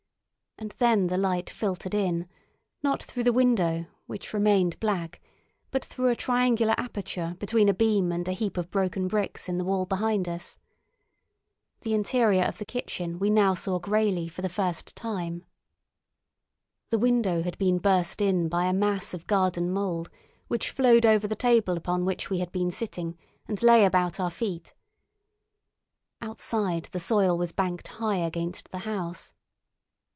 And then the light filtered in, not through the window, which remained black, but through a triangular aperture between a beam and a heap of broken bricks in the wall behind us. The interior of the kitchen we now saw greyly for the first time. The window had been burst in by a mass of garden mould, which flowed over the table upon which we had been sitting and lay about our feet. Outside, the soil was banked high against the house.